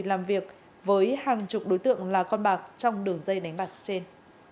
làm việc với hàng chục đối tượng là con bạc trong đường dây đánh bạc trên